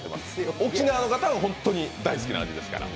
沖縄の方は本当に大好きな味ですから。